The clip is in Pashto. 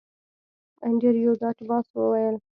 انډریو ډاټ باس وویل